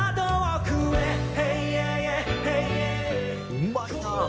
うまいな！